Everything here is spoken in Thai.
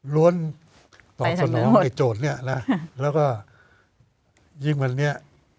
ล้วนตอบสนองไอ้โจทย์เนี่ยนะแล้วก็ยิ่งวันนี้